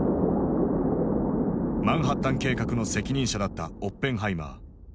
マンハッタン計画の責任者だったオッペンハイマー。